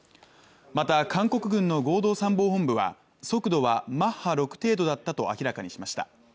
また韓国軍の合同参謀本部は速度はマッハ６程度だったと明らかにしました。